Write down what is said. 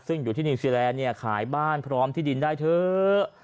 ซึ่งอยู่ที่นิวซีแลนด์เนี่ยขายบ้านพร้อมที่ดินได้เถอะ